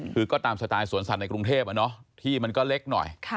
คือก็ตามสไตล์สวนสัตว์ในกรุงเทพที่มันก็เล็กหน่อย